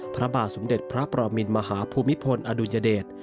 พระบาทสมเด็จพระปรมินมหาภูมิพลอดุญเดช